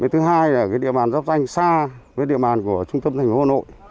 thứ hai là địa bàn giáp danh xa với địa bàn của trung tâm thành phố hồ nội